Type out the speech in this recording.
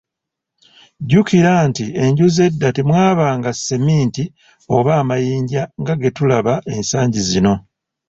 Jjukira nti enju z’edda temwabanga ssementi oba amayinja nga ge tulaba ensangi zino.